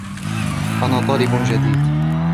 أنا طالب جديد.